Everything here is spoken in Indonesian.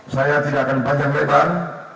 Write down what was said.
saya tidak akan panjang lebar